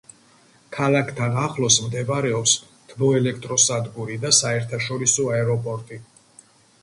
ქალაქთან ახლოს მდებარეობს თბოელექტროსადგური და საერთაშორისო აეროპორტი.